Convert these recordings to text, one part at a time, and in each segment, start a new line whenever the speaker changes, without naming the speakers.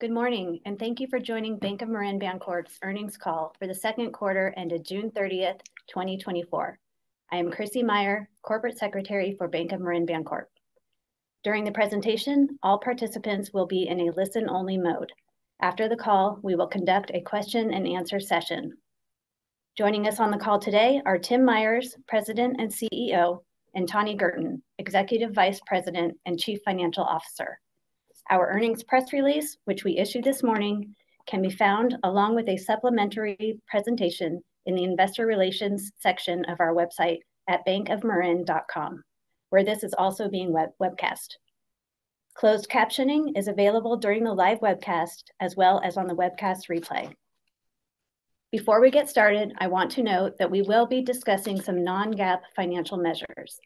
Good morning, and thank you for joining Bank of Marin Bancorp's Earnings Call for the Second Quarter ended June 30, 2024. I am Krissy Meyer, Corporate Secretary for Bank of Marin Bancorp. During the presentation, all participants will be in a listen-only mode. After the call, we will conduct a question-and-answer session. Joining us on the call today are Tim Myers, President and CEO, and Tani Girton, Executive Vice President and Chief Financial Officer. Our earnings press release, which we issued this morning, can be found along with a supplementary presentation in the Investor Relations section of our website at bankofmarin.com, where this is also being webcast. Closed captioning is available during the live webcast as well as on the webcast replay. Before we get started, I want to note that we will be discussing some non-GAAP financial measures.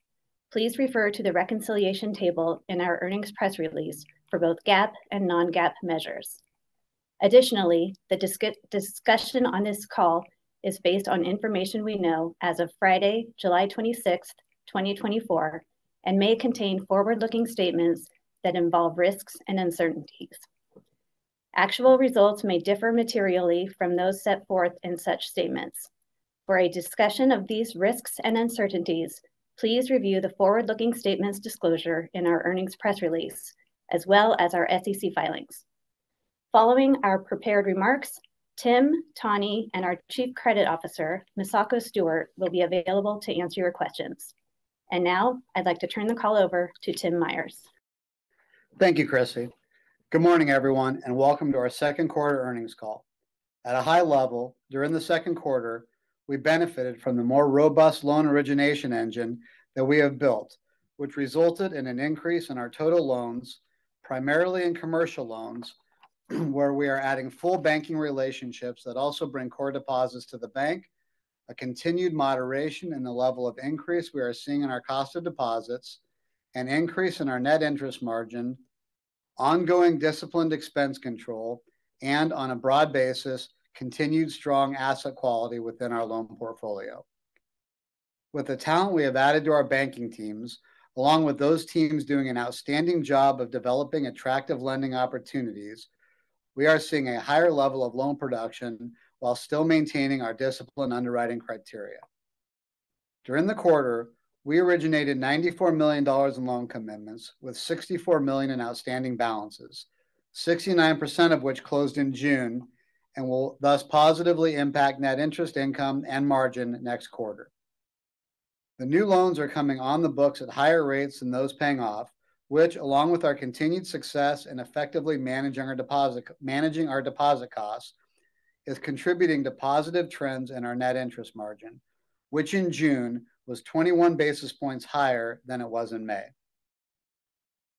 Please refer to the reconciliation table in our earnings press release for both GAAP and non-GAAP measures. Additionally, the discussion on this call is based on information we know as of Friday, July 26, 2024, and may contain forward-looking statements that involve risks and uncertainties. Actual results may differ materially from those set forth in such statements. For a discussion of these risks and uncertainties, please review the forward-looking statements disclosure in our earnings press release, as well as our SEC filings. Following our prepared remarks, Tim, Tani, and our Chief Credit Officer, Misako Stewart, will be available to answer your questions. Now, I'd like to turn the call over to Tim Myers.
Thank you, Krissy. Good morning, everyone, and welcome to our Second Quarter Earnings Call. At a high level, during the second quarter, we benefited from the more robust loan origination engine that we have built, which resulted in an increase in our total loans, primarily in commercial loans, where we are adding full banking relationships that also bring core deposits to the bank, a continued moderation in the level of increase we are seeing in our cost of deposits, an increase in our net interest margin, ongoing disciplined expense control, and, on a broad basis, continued strong asset quality within our loan portfolio. With the talent we have added to our banking teams, along with those teams doing an outstanding job of developing attractive lending opportunities, we are seeing a higher level of loan production while still maintaining our discipline underwriting criteria. During the quarter, we originated $94 million in loan commitments, with $64 million in outstanding balances, 69% of which closed in June, and will thus positively impact net interest income and margin next quarter. The new loans are coming on the books at higher rates than those paying off, which, along with our continued success in effectively managing our deposit costs, is contributing to positive trends in our net interest margin, which in June was 21 basis points higher than it was in May.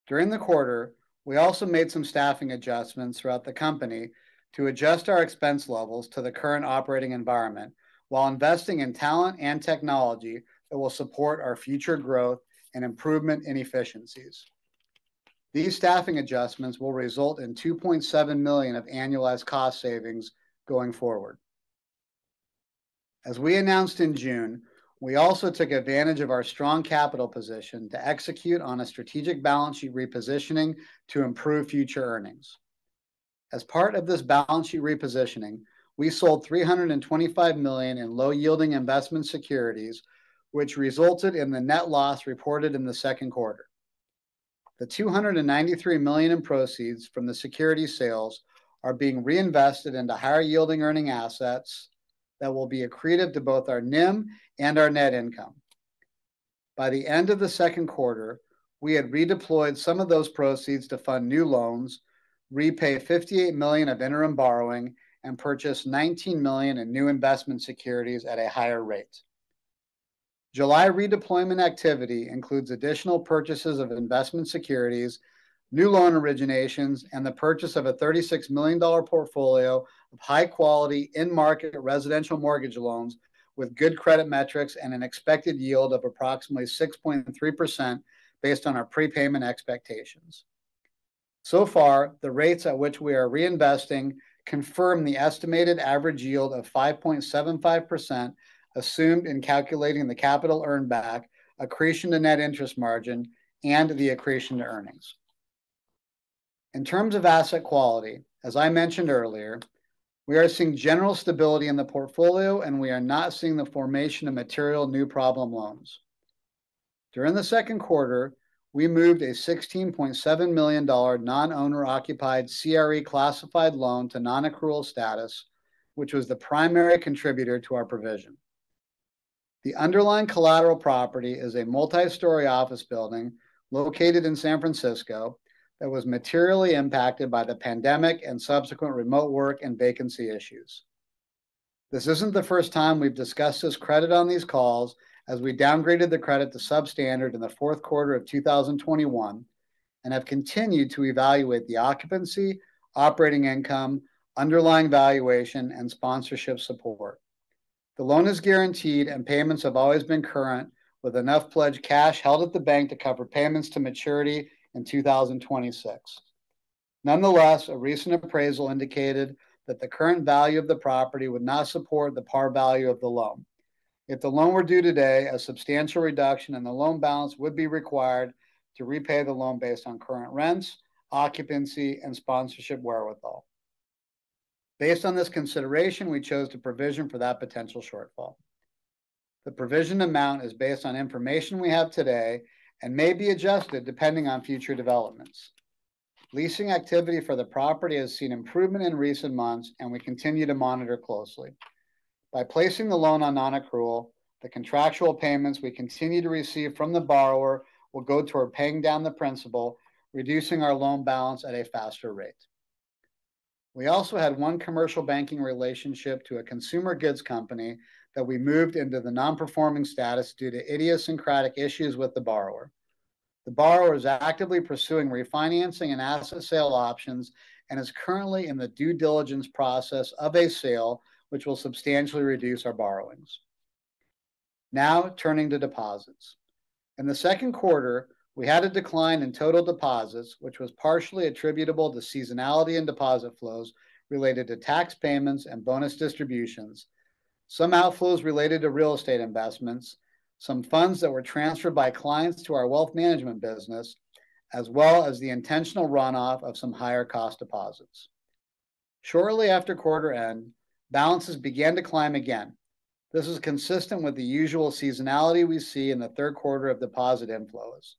During the quarter, we also made some staffing adjustments throughout the company to adjust our expense levels to the current operating environment while investing in talent and technology that will support our future growth and improvement in efficiencies. These staffing adjustments will result in $2.7 million of annualized cost savings going forward. As we announced in June, we also took advantage of our strong capital position to execute on a strategic balance sheet repositioning to improve future earnings. As part of this balance sheet repositioning, we sold $325 million in low-yielding investment securities, which resulted in the net loss reported in the second quarter. The $293 million in proceeds from the security sales are being reinvested into higher-yielding earning assets that will be accretive to both our NIM and our net income. By the end of the second quarter, we had redeployed some of those proceeds to fund new loans, repay $58 million of interim borrowing, and purchase $19 million in new investment securities at a higher rate. July redeployment activity includes additional purchases of investment securities, new loan originations, and the purchase of a $36 million portfolio of high-quality in-market residential mortgage loans with good credit metrics and an expected yield of approximately 6.3% based on our prepayment expectations. So far, the rates at which we are reinvesting confirm the estimated average yield of 5.75% assumed in calculating the capital earned back, accretion to net interest margin, and the accretion to earnings. In terms of asset quality, as I mentioned earlier, we are seeing general stability in the portfolio, and we are not seeing the formation of material new problem loans. During the second quarter, we moved a $16.7 million non-owner-occupied CRE classified loan to non-accrual status, which was the primary contributor to our provision. The underlying collateral property is a multi-story office building located in San Francisco that was materially impacted by the pandemic and subsequent remote work and vacancy issues. This isn't the first time we've discussed this credit on these calls, as we downgraded the credit to substandard in the fourth quarter of 2021 and have continued to evaluate the occupancy, operating income, underlying valuation, and sponsorship support. The loan is guaranteed, and payments have always been current, with enough pledged cash held at the bank to cover payments to maturity in 2026. Nonetheless, a recent appraisal indicated that the current value of the property would not support the par value of the loan. If the loan were due today, a substantial reduction in the loan balance would be required to repay the loan based on current rents, occupancy, and sponsorship wherewithal. Based on this consideration, we chose to provision for that potential shortfall. The provision amount is based on information we have today and may be adjusted depending on future developments. Leasing activity for the property has seen improvement in recent months, and we continue to monitor closely. By placing the loan on non-accrual, the contractual payments we continue to receive from the borrower will go toward paying down the principal, reducing our loan balance at a faster rate. We also had one commercial banking relationship to a consumer goods company that we moved into the non-performing status due to idiosyncratic issues with the borrower. The borrower is actively pursuing refinancing and asset sale options and is currently in the due diligence process of a sale, which will substantially reduce our borrowings. Now, turning to deposits. In the second quarter, we had a decline in total deposits, which was partially attributable to seasonality in deposit flows related to tax payments and bonus distributions, some outflows related to real estate investments, some funds that were transferred by clients to our wealth management business, as well as the intentional runoff of some higher-cost deposits. Shortly after quarter end, balances began to climb again. This is consistent with the usual seasonality we see in the third quarter of deposit inflows.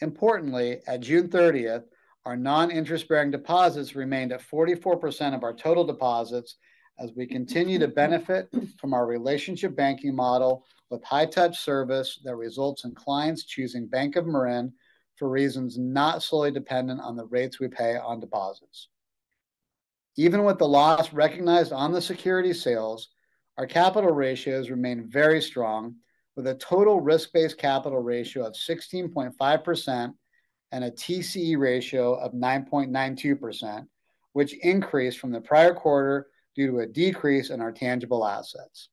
Importantly, at June 30, our non-interest-bearing deposits remained at 44% of our total deposits as we continue to benefit from our relationship banking model with high-touch service that results in clients choosing Bank of Marin for reasons not solely dependent on the rates we pay on deposits. Even with the loss recognized on the security sales, our capital ratios remain very strong, with a total risk-based capital ratio of 16.5% and a TCE ratio of 9.92%, which increased from the prior quarter due to a decrease in our tangible assets.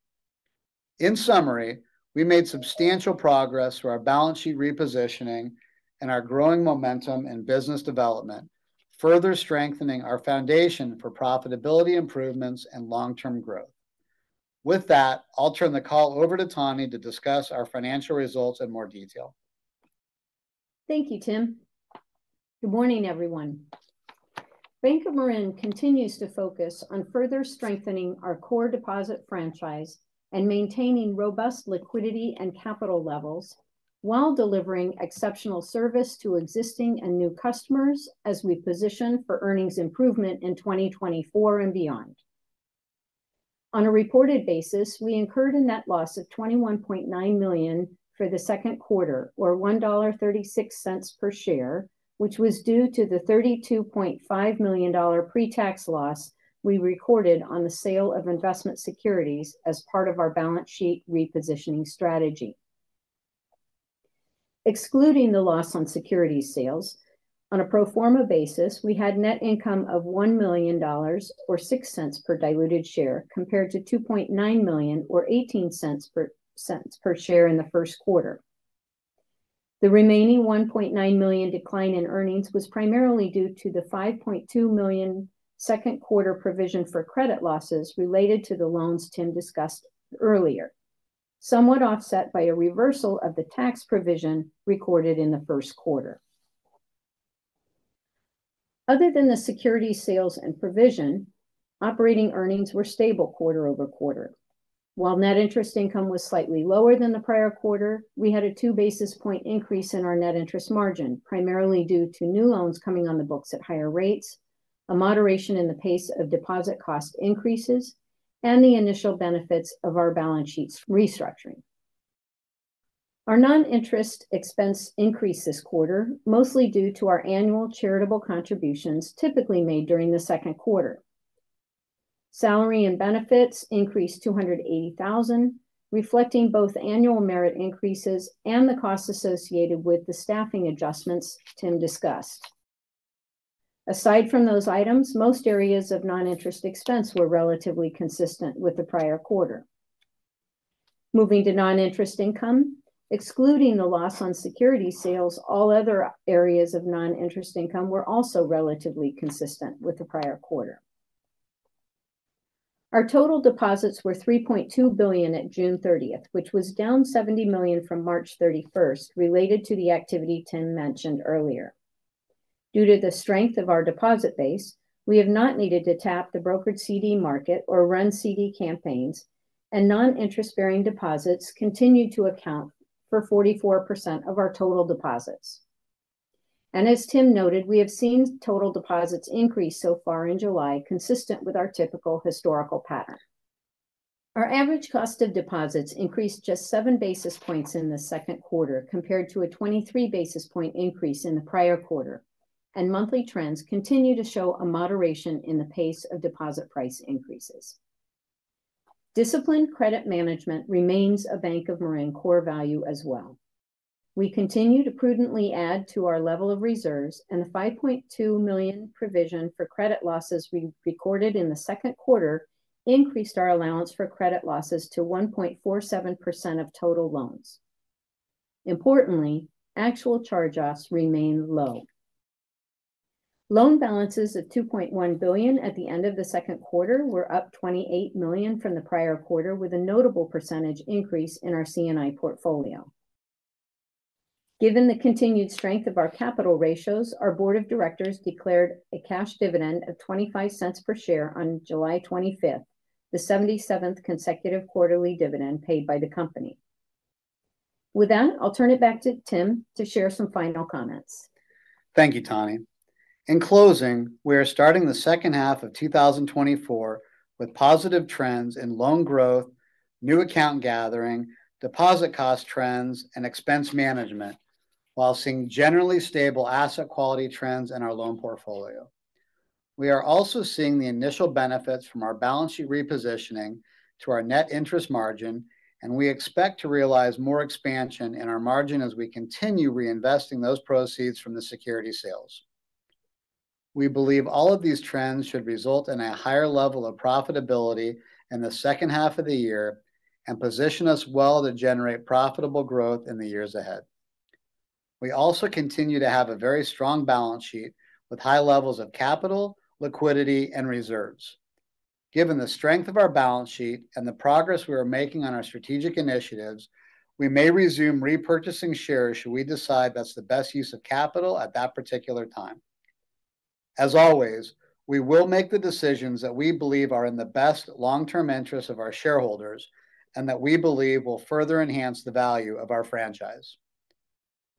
In summary, we made substantial progress through our balance sheet repositioning and our growing momentum in business development, further strengthening our foundation for profitability improvements and long-term growth. With that, I'll turn the call over to Tani to discuss our financial results in more detail.
Thank you, Tim. Good morning, everyone. Bank of Marin continues to focus on further strengthening our core deposit franchise and maintaining robust liquidity and capital levels while delivering exceptional service to existing and new customers as we position for earnings improvement in 2024 and beyond. On a reported basis, we incurred a net loss of $21.9 million for the second quarter, or $1.36 per share, which was due to the $32.5 million pre-tax loss we recorded on the sale of investment securities as part of our balance sheet repositioning strategy. Excluding the loss on securities sales, on a pro forma basis, we had net income of $1 million, or $0.06 per diluted share, compared to $2.9 million, or $0.18 per share in the first quarter. The remaining $1.9 million decline in earnings was primarily due to the $5.2 million second quarter provision for credit losses related to the loans Tim discussed earlier, somewhat offset by a reversal of the tax provision recorded in the first quarter. Other than the security sales and provision, operating earnings were stable quarter-over-quarter. While net interest income was slightly lower than the prior quarter, we had a 2 basis point increase in our net interest margin, primarily due to new loans coming on the books at higher rates, a moderation in the pace of deposit cost increases, and the initial benefits of our balance sheet restructuring. Our non-interest expense increased this quarter, mostly due to our annual charitable contributions typically made during the second quarter. Salary and benefits increased $280,000, reflecting both annual merit increases and the costs associated with the staffing adjustments Tim discussed. Aside from those items, most areas of non-interest expense were relatively consistent with the prior quarter. Moving to non-interest income, excluding the loss on security sales, all other areas of non-interest income were also relatively consistent with the prior quarter. Our total deposits were $3.2 billion at June 30, which was down $70 million from March 31, related to the activity Tim mentioned earlier. Due to the strength of our deposit base, we have not needed to tap the brokered CD market or run CD campaigns, and non-interest-bearing deposits continue to account for 44% of our total deposits. As Tim noted, we have seen total deposits increase so far in July, consistent with our typical historical pattern. Our average cost of deposits increased just 7 basis points in the second quarter compared to a 23 basis point increase in the prior quarter, and monthly trends continue to show a moderation in the pace of deposit price increases. Disciplined credit management remains a Bank of Marin core value as well. We continue to prudently add to our level of reserves, and the $5.2 million provision for credit losses recorded in the second quarter increased our allowance for credit losses to 1.47% of total loans. Importantly, actual charge-offs remain low. Loan balances of $2.1 billion at the end of the second quarter were up $28 million from the prior quarter, with a notable percentage increase in our C&I portfolio. Given the continued strength of our capital ratios, our board of directors declared a cash dividend of $0.25 per share on July 25, the 77th consecutive quarterly dividend paid by the company. With that, I'll turn it back to Tim to share some final comments.
Thank you, Tani. In closing, we are starting the second half of 2024 with positive trends in loan growth, new account gathering, deposit cost trends, and expense management, while seeing generally stable asset quality trends in our loan portfolio. We are also seeing the initial benefits from our balance sheet repositioning to our net interest margin, and we expect to realize more expansion in our margin as we continue reinvesting those proceeds from the security sales. We believe all of these trends should result in a higher level of profitability in the second half of the year and position us well to generate profitable growth in the years ahead. We also continue to have a very strong balance sheet with high levels of capital, liquidity, and reserves. Given the strength of our balance sheet and the progress we are making on our strategic initiatives, we may resume repurchasing shares should we decide that's the best use of capital at that particular time. As always, we will make the decisions that we believe are in the best long-term interest of our shareholders and that we believe will further enhance the value of our franchise.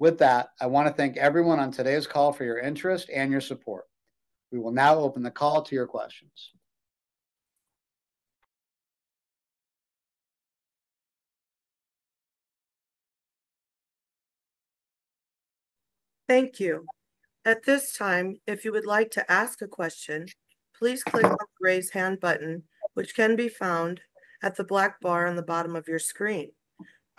With that, I want to thank everyone on today's call for your interest and your support. We will now open the call to your questions.
Thank you. At this time, if you would like to ask a question, please click on the raise hand button, which can be found at the black bar on the bottom of your screen.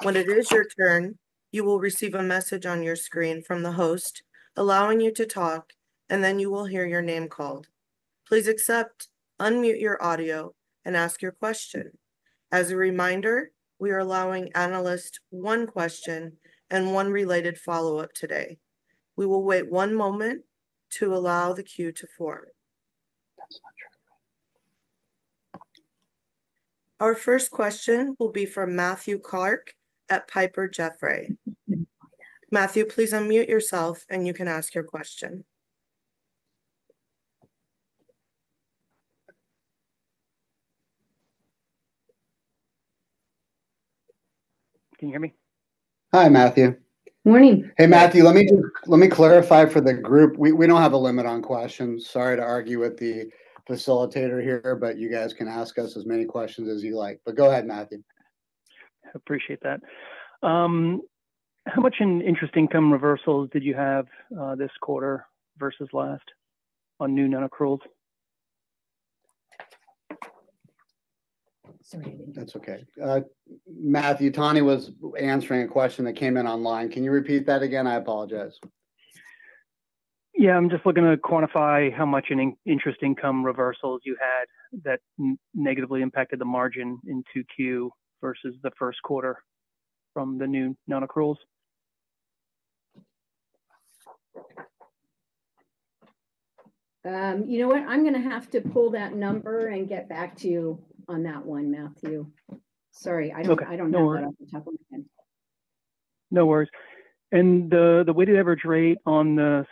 When it is your turn, you will receive a message on your screen from the host allowing you to talk, and then you will hear your name called. Please accept, unmute your audio, and ask your question. As a reminder, we are allowing analysts one question and one related follow-up today. We will wait one moment to allow the queue to form. Our first question will be from Matthew Clark at Piper Jaffray. Matthew, please unmute yourself, and you can ask your question.
Can you hear me?
Hi, Matthew.
Morning.
Hey, Matthew. Let me clarify for the group. We don't have a limit on questions. Sorry to argue with the facilitator here, but you guys can ask us as many questions as you like. But go ahead, Matthew.
Appreciate that. How much in interest income reversals did you have this quarter versus last on new non-accruals?
That's okay. Matthew, Tani was answering a question that came in online. Can you repeat that again? I apologize.
Yeah. I'm just looking to quantify how much in interest income reversals you had that negatively impacted the margin into Q versus the first quarter from the new non-accruals.
You know what? I'm going to have to pull that number and get back to you on that one, Matthew. Sorry. I don't know off the top of my head.
No worries. And the weighted average rate on the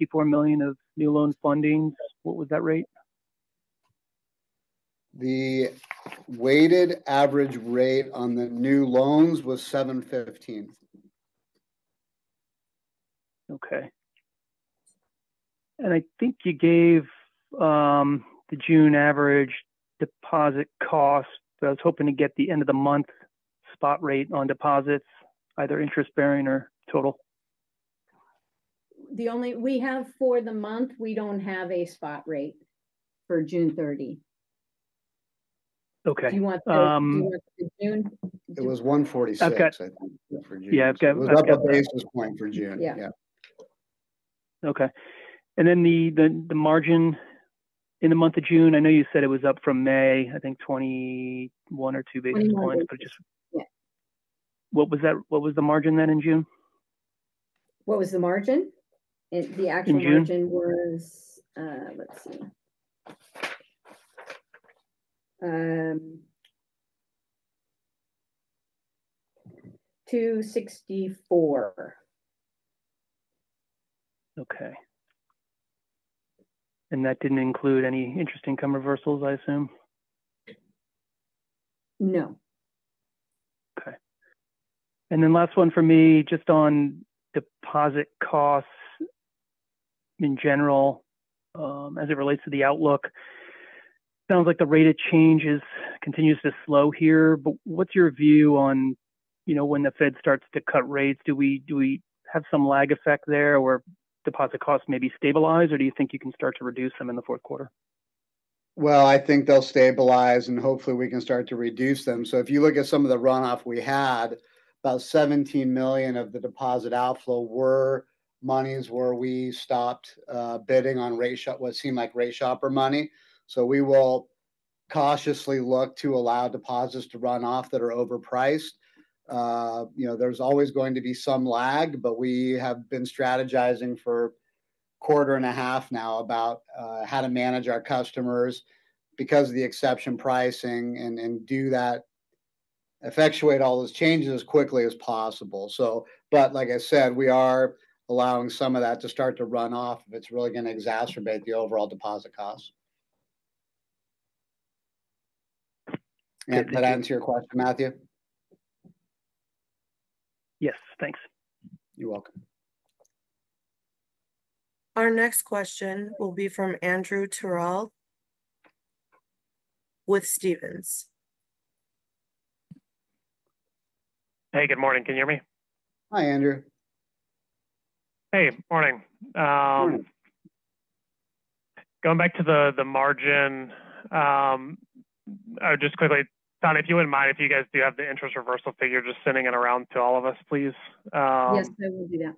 $64 million of new loan funding, what was that rate?
The weighted average rate on the new loans was 7.15%.
Okay. I think you gave the June average deposit cost. I was hoping to get the end-of-the-month spot rate on deposits, either interest-bearing or total.
The only one we have for the month, we don't have a spot rate for June 30. Do you want to do it for June?
It was 1.46% for June.
Yeah.
A couple of basis points for June. Yeah.
Okay. And then the margin in the month of June, I know you said it was up from May, I think, 21 or 2 basis points, but it just.
Yeah.
What was the margin then in June?
What was the margin? The actual margin was, let's see, 2.64%.
Okay. That didn't include any interest income reversals, I assume?
No.
Okay. And then last one for me, just on deposit costs in general as it relates to the outlook. Sounds like the rate of change continues to slow here. But what's your view on when the Fed starts to cut rates? Do we have some lag effect there where deposit costs maybe stabilize, or do you think you can start to reduce them in the fourth quarter?
Well, I think they'll stabilize, and hopefully, we can start to reduce them. So if you look at some of the runoff we had, about $17 million of the deposit outflow were monies where we stopped bidding on what seemed like rate shopper money. So we will cautiously look to allow deposits to run off that are overpriced. There's always going to be some lag, but we have been strategizing for a quarter and a half now about how to manage our customers because of the exception pricing and effectuate all those changes as quickly as possible. But like I said, we are allowing some of that to start to run off if it's really going to exacerbate the overall deposit costs. And did that answer your question, Matthew?
Yes. Thanks.
You're welcome.
Our next question will be from Andrew Terrell with Stephens.
Hey, good morning. Can you hear me?
Hi, Andrew.
Hey, morning. Going back to the margin, I would just quickly, Tani, if you wouldn't mind, if you guys do have the interest reversal figure, just sending it around to all of us, please.
Yes, I will do that.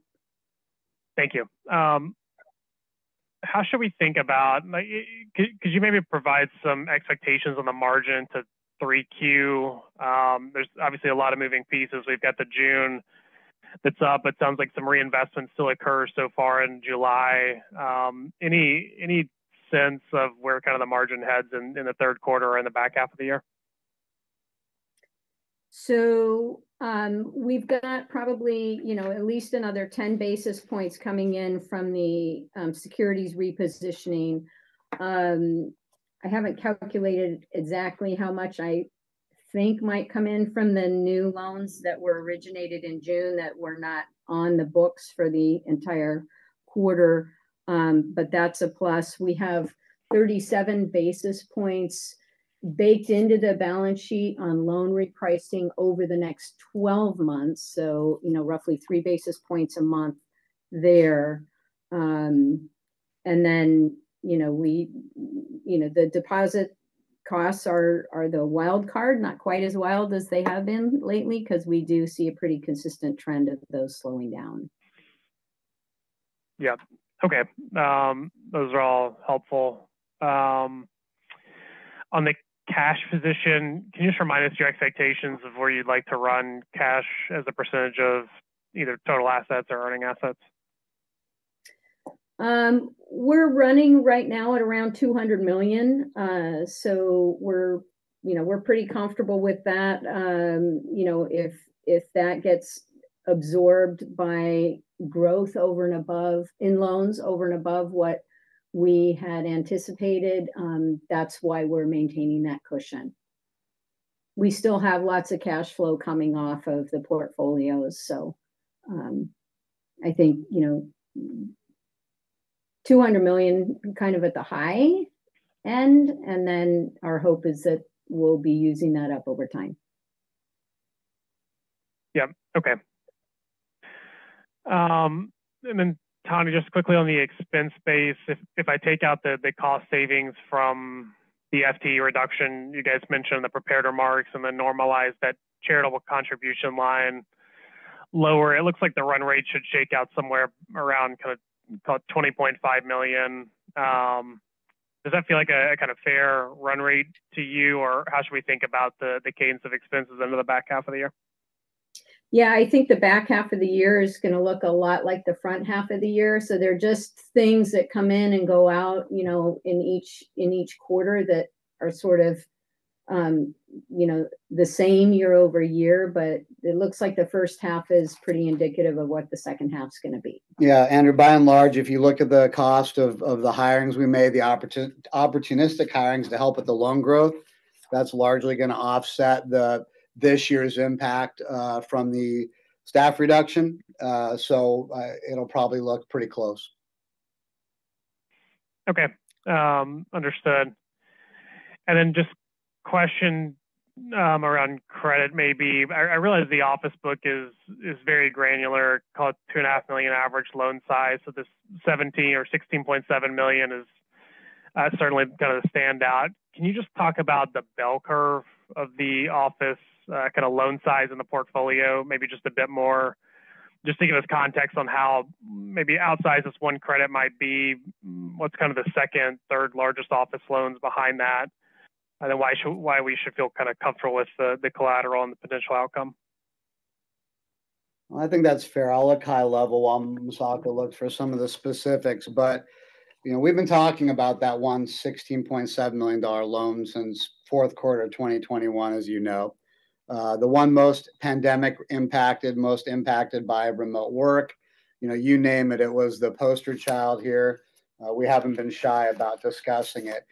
Thank you. How should we think about could you maybe provide some expectations on the margin to 3Q? There's obviously a lot of moving pieces. We've got the June that's up, but it sounds like some reinvestment still occurs so far in July. Any sense of where kind of the margin heads in the third quarter or in the back half of the year?
So we've got probably at least another 10 basis points coming in from the securities repositioning. I haven't calculated exactly how much I think might come in from the new loans that were originated in June that were not on the books for the entire quarter, but that's a plus. We have 37 basis points baked into the balance sheet on loan repricing over the next 12 months, so roughly 3 basis points a month there. And then the deposit costs are the wild card, not quite as wild as they have been lately because we do see a pretty consistent trend of those slowing down.
Yeah. Okay. Those are all helpful. On the cash position, can you just remind us your expectations of where you'd like to run cash as a percentage of either total assets or earning assets?
We're running right now at around $200 million, so we're pretty comfortable with that. If that gets absorbed by growth over and above in loans over and above what we had anticipated, that's why we're maintaining that cushion. We still have lots of cash flow coming off of the portfolios, so I think $200 million kind of at the high end, and then our hope is that we'll be using that up over time.
Yeah. Okay. And then Tani, just quickly on the expense base, if I take out the cost savings from the FTE reduction you guys mentioned, the prepared remarks and the normalized that charitable contribution line lower, it looks like the run rate should shake out somewhere around kind of $20.5 million. Does that feel like a kind of fair run rate to you, or how should we think about the cadence of expenses into the back half of the year?
Yeah. I think the back half of the year is going to look a lot like the front half of the year. There are just things that come in and go out in each quarter that are sort of the same year-over-year, but it looks like the first half is pretty indicative of what the second half is going to be.
Yeah. Andrew, by and large, if you look at the cost of the hirings we made, the opportunistic hirings to help with the loan growth, that's largely going to offset this year's impact from the staff reduction. So it'll probably look pretty close.
Okay. Understood. And then just question around credit maybe. I realize the office book is very granular, called $2.5 million average loan size. So this $17 million or $16.7 million is certainly kind of the standout. Can you just talk about the bell curve of the office kind of loan size in the portfolio, maybe just a bit more? Just to give us context on how maybe outsize this one credit might be, what's kind of the second, third largest office loans behind that, and then why we should feel kind of comfortable with the collateral and the potential outcome?
I think that's fair. I'll look high level while Misako looks for some of the specifics. But we've been talking about that one $16.7 million loan since fourth quarter 2021, as you know. The one most pandemic impacted, most impacted by remote work, you name it, it was the poster child here. We haven't been shy about discussing it.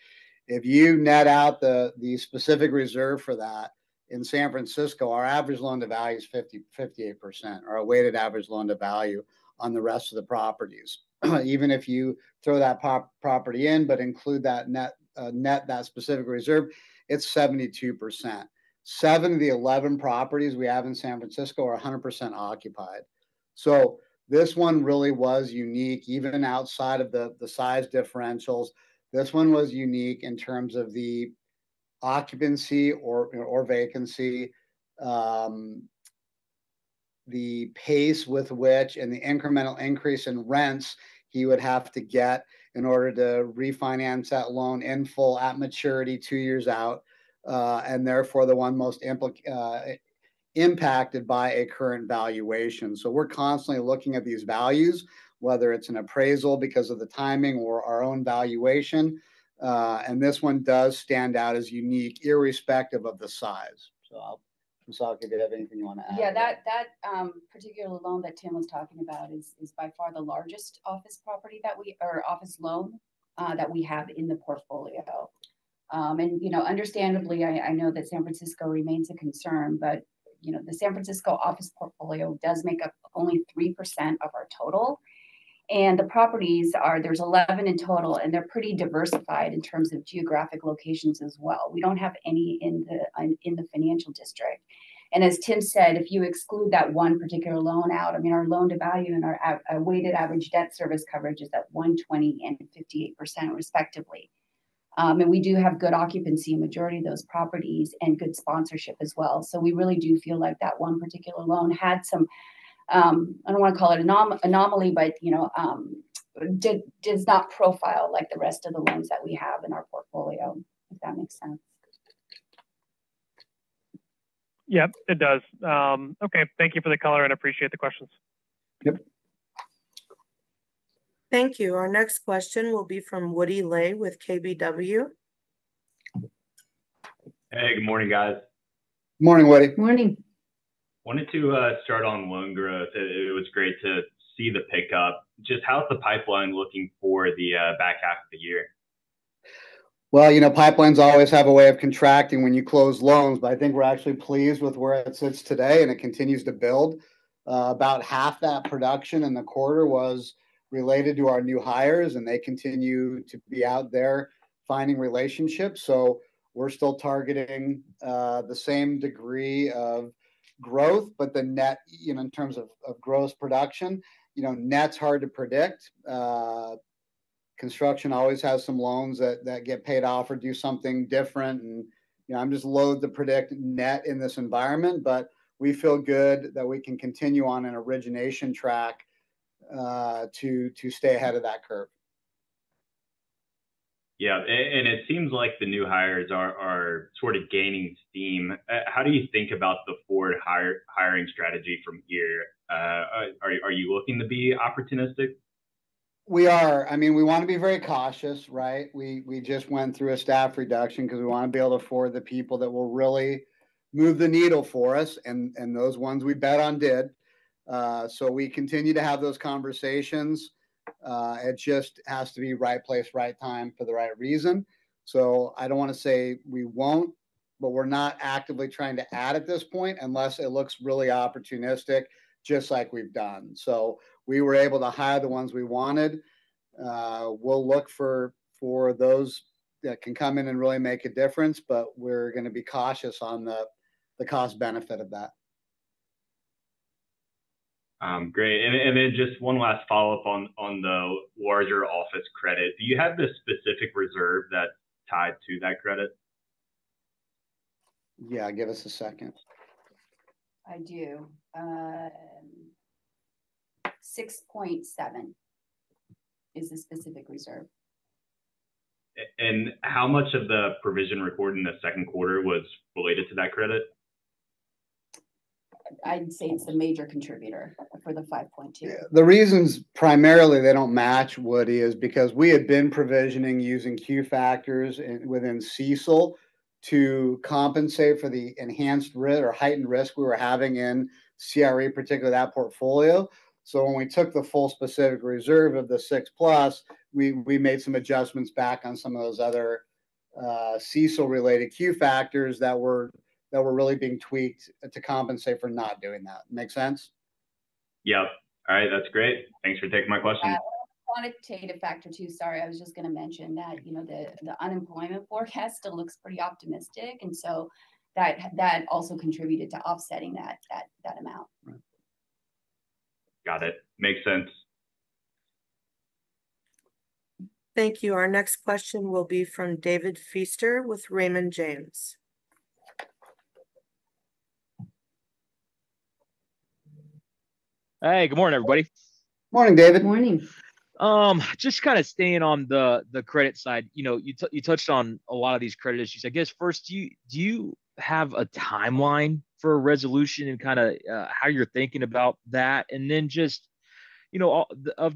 If you net out the specific reserve for that, in San Francisco, our average loan to value is 58%, or our weighted average loan to value on the rest of the properties. Even if you throw that property in but include that net that specific reserve, it's 72%. 7 of the 11 properties we have in San Francisco are 100% occupied. So this one really was unique, even outside of the size differentials. This one was unique in terms of the occupancy or vacancy, the pace with which, and the incremental increase in rents he would have to get in order to refinance that loan in full at maturity two years out, and therefore the one most impacted by a current valuation. So we're constantly looking at these values, whether it's an appraisal because of the timing or our own valuation. And this one does stand out as unique, irrespective of the size. So Misako, if you have anything you want to add.
Yeah. That particular loan that Tim was talking about is by far the largest office property that we or office loan that we have in the portfolio. Understandably, I know that San Francisco remains a concern, but the San Francisco office portfolio does make up only 3% of our total. The properties, there's 11 in total, and they're pretty diversified in terms of geographic locations as well. We don't have any in the financial district. As Tim said, if you exclude that one particular loan out, I mean, our loan to value and our weighted average debt service coverage is at 120 and 58% respectively. We do have good occupancy in the majority of those properties and good sponsorship as well. So we really do feel like that one particular loan had some--I don't want to call it an anomaly, but does not profile like the rest of the ones that we have in our portfolio, if that makes sense.
Yep, it does. Okay. Thank you for the color, and I appreciate the questions.
Yep.
Thank you. Our next question will be from Woody Lay with KBW.
Hey, good morning, guys.
Good morning, Woody.
Morning.
Wanted to start on loan growth. It was great to see the pickup. Just how's the pipeline looking for the back half of the year?
Well, pipelines always have a way of contracting when you close loans, but I think we're actually pleased with where it sits today, and it continues to build. About half that production in the quarter was related to our new hires, and they continue to be out there finding relationships. So we're still targeting the same degree of growth, but the net in terms of gross production, net's hard to predict. Construction always has some loans that get paid off or do something different. I'm just loath to predict net in this environment, but we feel good that we can continue on an origination track to stay ahead of that curve.
Yeah. It seems like the new hires are sort of gaining steam. How do you think about the forward hiring strategy from here? Are you looking to be opportunistic?
We are. I mean, we want to be very cautious, right? We just went through a staff reduction because we want to be able to afford the people that will really move the needle for us, and those ones we bet on did. So we continue to have those conversations. It just has to be right place, right time for the right reason. So I don't want to say we won't, but we're not actively trying to add at this point unless it looks really opportunistic, just like we've done. So we were able to hire the ones we wanted. We'll look for those that can come in and really make a difference, but we're going to be cautious on the cost-benefit of that.
Great. And then just one last follow-up on the larger office credit. Do you have the specific reserve that's tied to that credit?
Yeah. Give us a second.
I do. 6.7 is the specific reserve.
How much of the provision recorded in the second quarter was related to that credit?
I'd say it's a major contributor for the 5.2.
The reasons primarily they don't match, Woody, is because we had been provisioning using Q factors within CECL to compensate for the enhanced risk or heightened risk we were having in CRE, particularly that portfolio. So when we took the full specific reserve of the 6+, we made some adjustments back on some of those other CECL-related Q factors that were really being tweaked to compensate for not doing that. Make sense?
Yep. All right. That's great. Thanks for taking my question.
Quantitative factor too. Sorry. I was just going to mention that the unemployment forecast still looks pretty optimistic, and so that also contributed to offsetting that amount.
Got it. Makes sense.
Thank you. Our next question will be from David Feaster with Raymond James.
Hey, good morning, everybody.
Morning, David.
Morning.
Just kind of staying on the credit side, you touched on a lot of these credit issues. I guess first, do you have a timeline for resolution and kind of how you're thinking about that? And then just of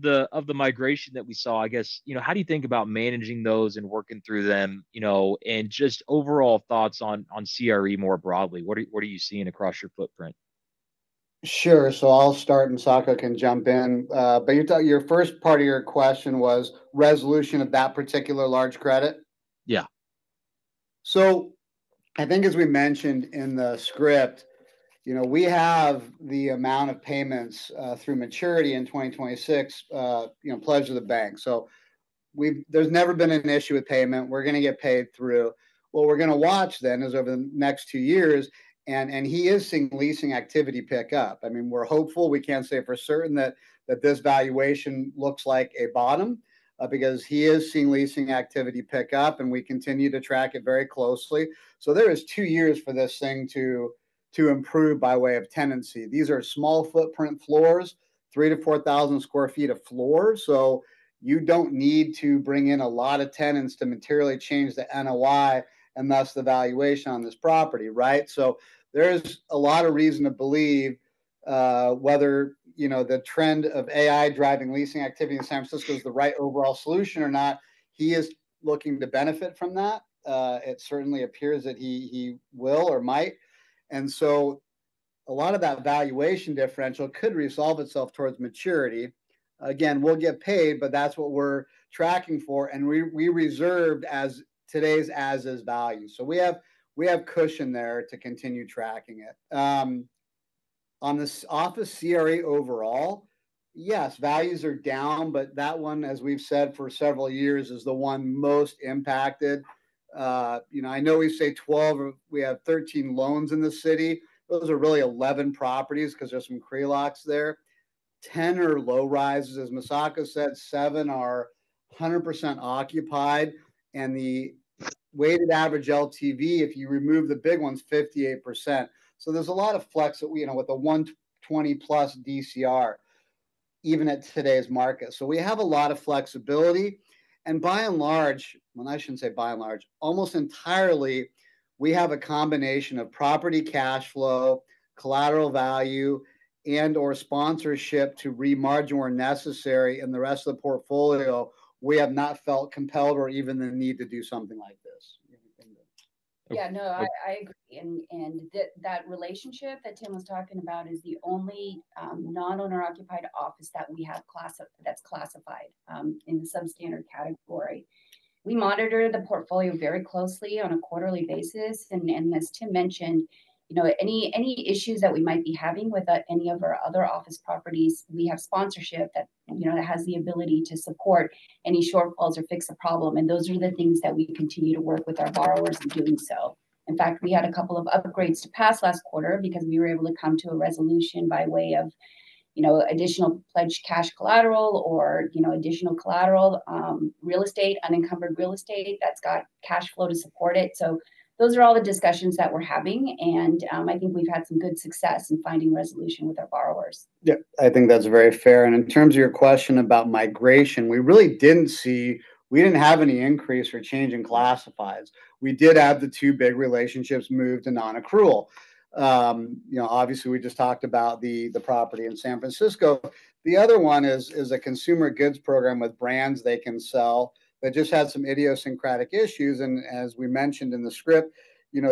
the migration that we saw, I guess, how do you think about managing those and working through them? And just overall thoughts on CRE more broadly. What are you seeing across your footprint?
Sure. So I'll start, and Misako can jump in. But your first part of your question was resolution of that particular large credit?
Yeah.
So I think as we mentioned in the script, we have the amount of payments through maturity in 2026 pledged to the bank. So there's never been an issue with payment. We're going to get paid through. What we're going to watch then is over the next two years, and he is seeing leasing activity pick up. I mean, we're hopeful. We can't say for certain that this valuation looks like a bottom because he is seeing leasing activity pick up, and we continue to track it very closely. So there is two years for this thing to improve by way of tenancy. These are small footprint floors, 3,000-4,000 sq ft of floor. So you don't need to bring in a lot of tenants to materially change the NOI and thus the valuation on this property, right? So there is a lot of reason to believe whether the trend of AI driving leasing activity in San Francisco is the right overall solution or not. He is looking to benefit from that. It certainly appears that he will or might. And so a lot of that valuation differential could resolve itself towards maturity. Again, we'll get paid, but that's what we're tracking for. And we reserved as today's as-is value. So we have cushion there to continue tracking it. On this office CRE overall, yes, values are down, but that one, as we've said for several years, is the one most impacted. I know we say 12 or we have 13 loans in the city. Those are really 11 properties because there's some CRE LOCs there. 10 are low rises, as Misako said. Seven are 100% occupied. And the weighted average LTV, if you remove the big ones, 58%. So there's a lot of flex with the 120+ DCR, even at today's market. So we have a lot of flexibility. And by and large, well, I shouldn't say by and large. Almost entirely, we have a combination of property cash flow, collateral value, and/or sponsorship to remargin where necessary in the rest of the portfolio. We have not felt compelled or even the need to do something like this.
Yeah. No, I agree. And that relationship that Tim was talking about is the only non-owner-occupied office that we have that's classified in the substandard category. We monitor the portfolio very closely on a quarterly basis. And as Tim mentioned, any issues that we might be having with any of our other office properties, we have sponsorship that has the ability to support any shortfalls or fix the problem. And those are the things that we continue to work with our borrowers in doing so. In fact, we had a couple of upgrades to pass last quarter because we were able to come to a resolution by way of additional pledged cash collateral or additional collateral real estate, unencumbered real estate that's got cash flow to support it. So those are all the discussions that we're having. I think we've had some good success in finding resolution with our borrowers.
Yeah. I think that's very fair. And in terms of your question about migration, we didn't have any increase or change in classifieds. We did have the two big relationships moved to non-accrual. Obviously, we just talked about the property in San Francisco. The other one is a consumer goods program with brands they can sell that just had some idiosyncratic issues. And as we mentioned in the script,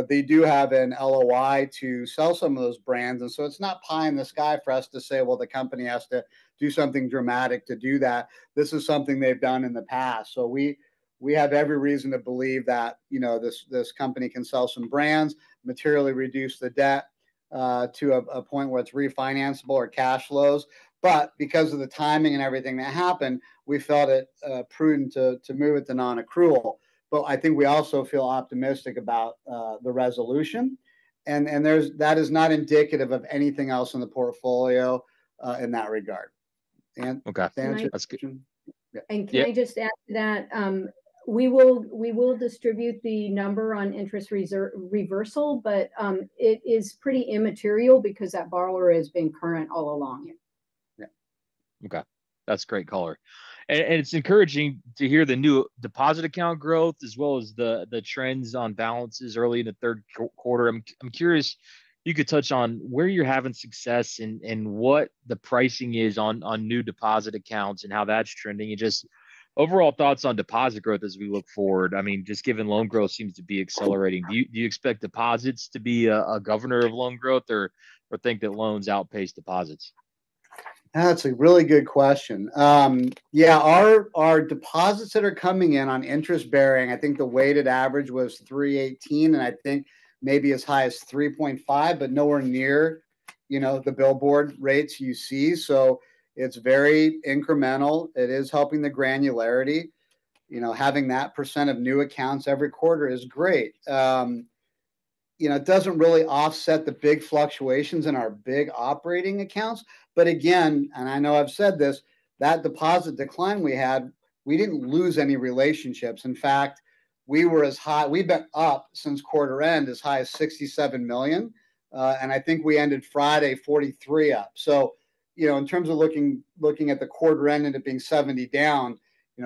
they do have an LOI to sell some of those brands. And so it's not pie in the sky for us to say, "Well, the company has to do something dramatic to do that." This is something they've done in the past. So we have every reason to believe that this company can sell some brands, materially reduce the debt to a point where it's refinanceable or cash flows. But because of the timing and everything that happened, we felt it prudent to move it to non-accrual. I think we also feel optimistic about the resolution. That is not indicative of anything else in the portfolio in that regard. That's the answer.
Can I just add to that? We will distribute the number on interest reversal, but it is pretty immaterial because that borrower has been current all along.
Yeah. Okay. That's great color. And it's encouraging to hear the new deposit account growth as well as the trends on balances early in the third quarter. I'm curious, you could touch on where you're having success and what the pricing is on new deposit accounts and how that's trending. And just overall thoughts on deposit growth as we look forward. I mean, just given loan growth seems to be accelerating. Do you expect deposits to be a governor of loan growth or think that loans outpace deposits?
That's a really good question. Yeah. Our deposits that are coming in on interest-bearing, I think the weighted average was 3.18, and I think maybe as high as 3.5, but nowhere near the billboard rates you see. So it's very incremental. It is helping the granularity. Having that percent of new accounts every quarter is great. It doesn't really offset the big fluctuations in our big operating accounts. But again, and I know I've said this, that deposit decline we had, we didn't lose any relationships. In fact, we were as high—we've been up since quarter-end as high as $67 million. And I think we ended Friday $43 million up. So in terms of looking at the quarter-end and it being $70 million down,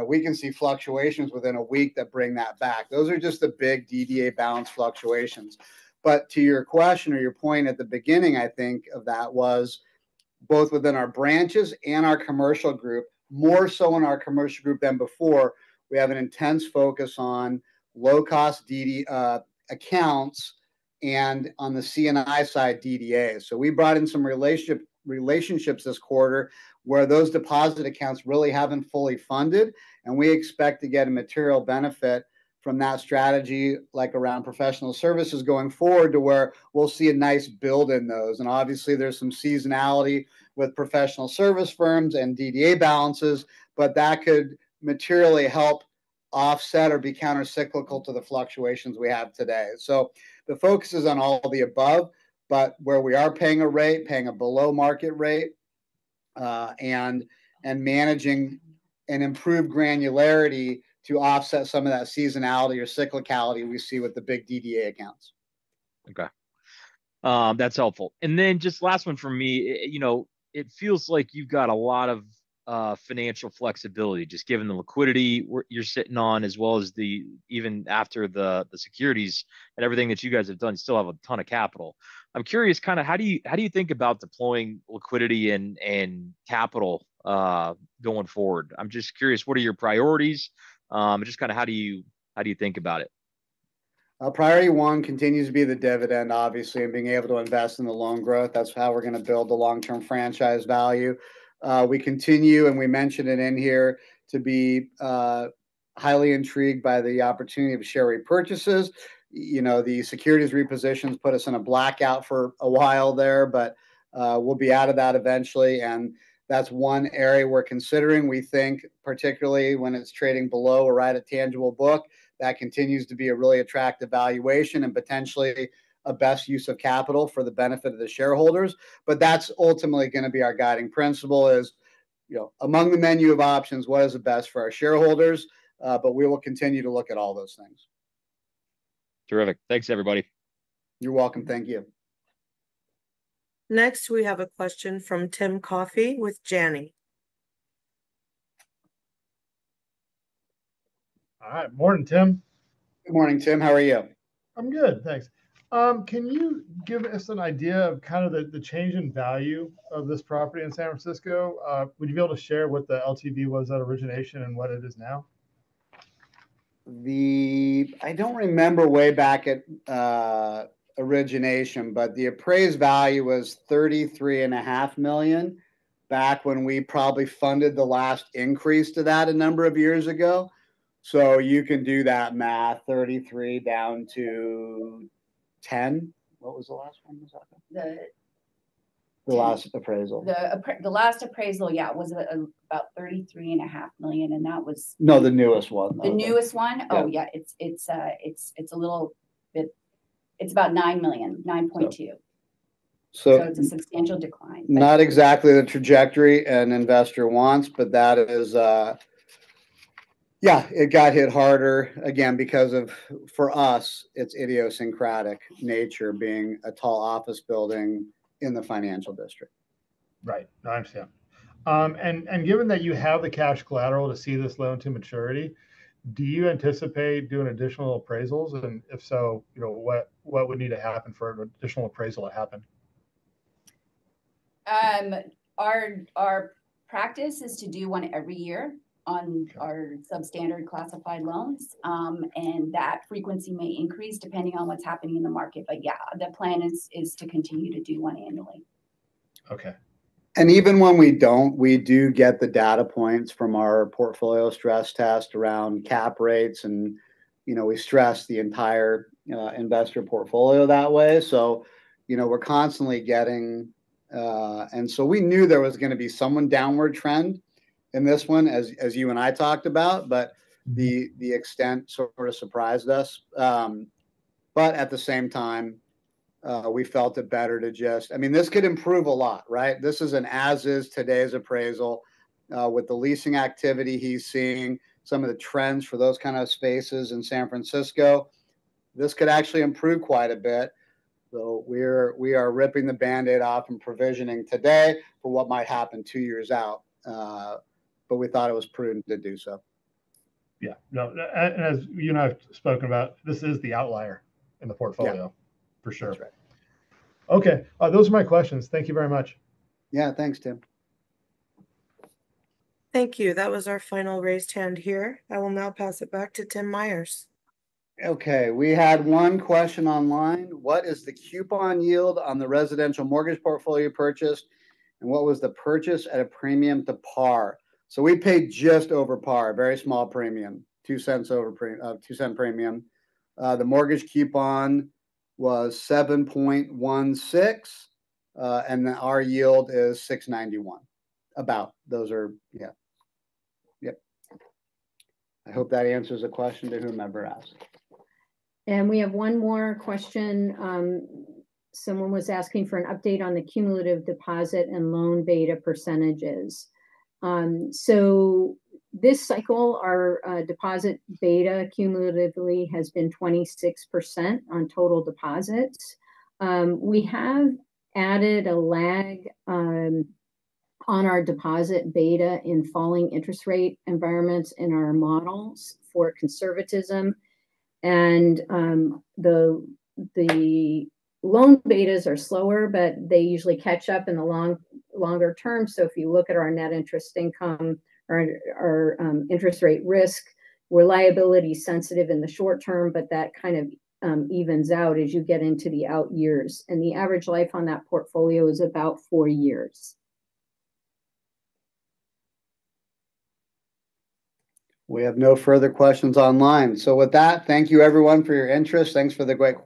we can see fluctuations within a week that bring that back. Those are just the big DDA balance fluctuations. But to your question or your point at the beginning, I think that was both within our branches and our commercial group, more so in our commercial group than before. We have an intense focus on low-cost accounts and on the C&I side DDA. So we brought in some relationships this quarter where those deposit accounts really haven't fully funded. And we expect to get a material benefit from that strategy, like around professional services going forward, to where we'll see a nice build in those. And obviously, there's some seasonality with professional service firms and DDA balances, but that could materially help offset or be countercyclical to the fluctuations we have today. So the focus is on all of the above, but where we are paying a rate, paying a below-market rate, and managing an improved granularity to offset some of that seasonality or cyclicality we see with the big DDA accounts.
Okay. That's helpful. And then just last one for me. It feels like you've got a lot of financial flexibility, just given the liquidity you're sitting on, as well as even after the securities and everything that you guys have done, you still have a ton of capital. I'm curious, kind of how do you think about deploying liquidity and capital going forward? I'm just curious, what are your priorities? Just kind of how do you think about it?
Priority one continues to be the dividend, obviously, and being able to invest in the loan growth. That's how we're going to build the long-term franchise value. We continue, and we mentioned it in here, to be highly intrigued by the opportunity of share repurchases. The securities repositions put us in a blackout for a while there, but we'll be out of that eventually. And that's one area we're considering, we think, particularly when it's trading below or right at tangible book. That continues to be a really attractive valuation and potentially a best use of capital for the benefit of the shareholders. But that's ultimately going to be our guiding principle is, among the menu of options, what is the best for our shareholders? But we will continue to look at all those things.
Terrific. Thanks, everybody.
You're welcome. Thank you.
Next, we have a question from Tim Coffey with Janney.
All right. Morning, Tim.
Good morning, Tim. How are you?
I'm good. Thanks. Can you give us an idea of kind of the change in value of this property in San Francisco? Would you be able to share what the LTV was at origination and what it is now?
I don't remember way back at origination, but the appraised value was $33.5 million back when we probably funded the last increase to that a number of years ago. So you can do that math, $33 million down to $10 million. What was the last one, Misako?
The.
The last appraisal.
The last appraisal, yeah, was about $33.5 million, and that was.
No, the newest one.
The newest one? Oh, yeah. It's a little bit, it's about $9 million, $9.2 million. So it's a substantial decline.
Not exactly the trajectory an investor wants, but that is, yeah, it got hit harder. Again, because of, for us, its idiosyncratic nature being a tall office building in the financial district.
Right. I understand. And given that you have the cash collateral to see this loan to maturity, do you anticipate doing additional appraisals? And if so, what would need to happen for an additional appraisal to happen?
Our practice is to do one every year on our substandard classified loans. That frequency may increase depending on what's happening in the market. Yeah, the plan is to continue to do one annually.
Okay.
Even when we don't, we do get the data points from our portfolio stress test around cap rates. We stress the entire investor portfolio that way. So we're constantly getting, and so we knew there was going to be some downward trend in this one, as you and I talked about, but the extent sort of surprised us. But at the same time, we felt it better to just—I mean, this could improve a lot, right? This is an as is today's appraisal with the leasing activity he's seeing, some of the trends for those kind of spaces in San Francisco. This could actually improve quite a bit, though we are ripping the Band-Aid off and provisioning today for what might happen two years out. But we thought it was prudent to do so.
Yeah. As you and I have spoken about, this is the outlier in the portfolio, for sure. Okay. Those are my questions. Thank you very much.
Yeah. Thanks, Tim.
Thank you. That was our final raised hand here. I will now pass it back to Tim Myers.
Okay. We had one question online. What is the coupon yield on the residential mortgage portfolio purchased, and what was the purchase at a premium to par? So we paid just over par, a very small premium, $0.02 over- $0.02 premium. The mortgage coupon was 7.16%, and our yield is 6.91%, about. Yeah. Yep. I hope that answers the question to whomever asked.
We have one more question. Someone was asking for an update on the cumulative deposit and loan beta percentages. So this cycle, our deposit beta cumulatively has been 26% on total deposits. We have added a lag on our deposit beta in falling interest rate environments in our models for conservatism. And the loan betas are slower, but they usually catch up in the longer term. So if you look at our net interest income or interest rate risk, we're liability-sensitive in the short term, but that kind of evens out as you get into the out years. And the average life on that portfolio is about four years.
We have no further questions online. With that, thank you, everyone, for your interest. Thanks for the great.